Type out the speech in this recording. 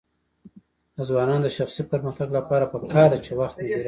د ځوانانو د شخصي پرمختګ لپاره پکار ده چې وخت مدیریت کړي.